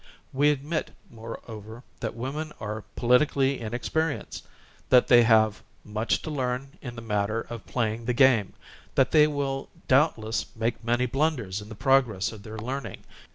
We admit, moreover, that women are politically inexperienced, that they have much to learn in the matter of playing the game, that they will doubt less make many blunders in the progress of their learn ing.